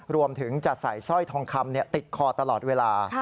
รวมถึงจะใส่สร้อยทองคำติดคอตลอดเวลา